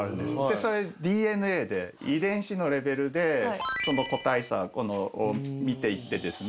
それＤＮＡで遺伝子のレベルでその個体差を見ていってですね